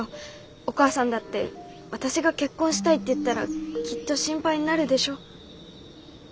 お母さんだって私が結婚したいって言ったらきっと心配になるでしょ？